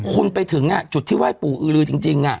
คุณไปถึงจุดที่ไหว้ปู่อือลือจริง